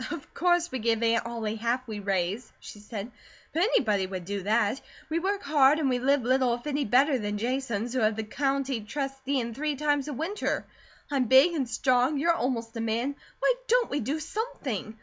"Of course we give Aunt Ollie half we raise," she said, "but anybody would do that. We work hard, and we live little if any better than Jasons, who have the County Trustee in three times a winter. I'm big and strong, you're almost a man, why don't we DO something?